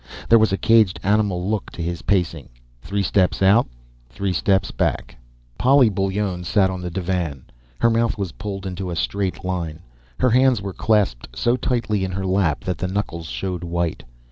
There was a caged animal look to his pacing three steps out, three steps back. Polly Bullone sat on the divan. Her mouth was pulled into a straight line. Her hands were clasped so tightly in her lap that the knuckles showed white.